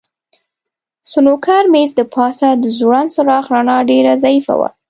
د سنوکر مېز د پاسه د ځوړند څراغ رڼا ډېره ضعیفه وه.